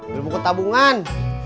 belum ke tabungan